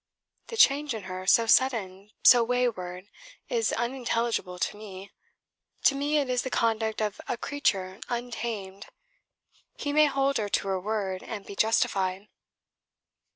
The change in her, so sudden, so wayward, is unintelligible to me. To me it is the conduct of a creature untamed. He may hold her to her word and be justified."